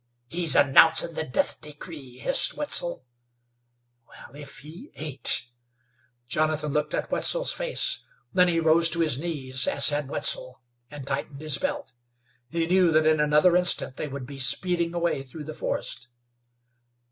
"He's announcin' the death decree!" hissed Wetzel. "Well! if he ain't!" Jonathan looked at Wetzel's face. Then he rose to his knees, as had Wetzel, and tightened his belt. He knew that in another instant they would be speeding away through the forest.